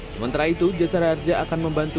sementara itu jenazah raja akan membantu